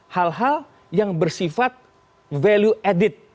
hal hal yang bersifat value added